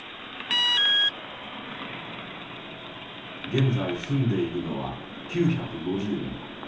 現在住んでいるのは９５０人。